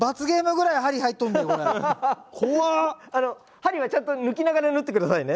あの針はちゃんと抜きながら縫ってくださいね。